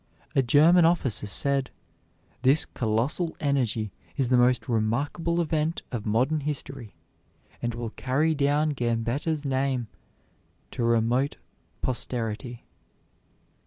A German officer said: "This colossal energy is the most remarkable event of modern history, and will carry down Gambetta's name to remote posterity."